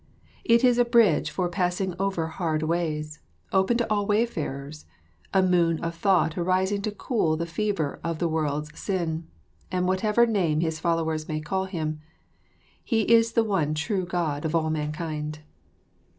It is a bridge for passing over hard ways, open to all wayfarers, a moon of thought arising to cool the fever of the world's sin, and whatever name His followers may call Him, he is the one True God of all mankind."